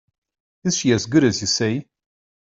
Is she as good as you say?